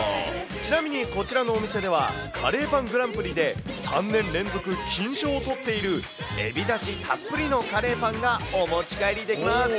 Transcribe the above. ちなみにこちらのお店では、カレーパングランプリで３年連続金賞をとっているエビだしたっぷりのカレーパンがお持ち帰りできます。